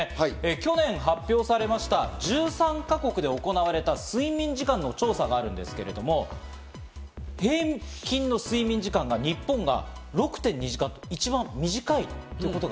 去年発表されました１３か国で行われた睡眠時間の調査があるんですけど、平均の睡眠時間が日本が６．２時間と一番短いということ。